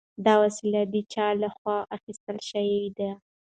دا وسلې د چا له خوا اخیستل شوي دي؟